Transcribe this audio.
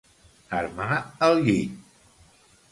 Armar el llit.